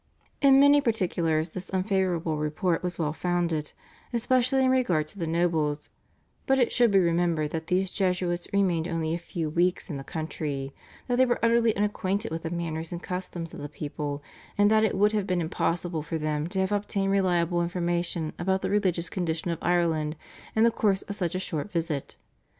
In many particulars this unfavourable report was well founded, especially in regard to the nobles, but it should be remembered that these Jesuits remained only a few weeks in the country, that they were utterly unacquainted with the manners and customs of the people, and that it would have been impossible for them to have obtained reliable information about the religious condition of Ireland in the course of such a short visit.